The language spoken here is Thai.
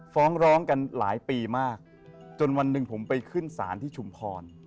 ฟ้องร้องกันหลายปีมากจนวันหนึ่งผมไปขึ้นศาลที่ชุมพร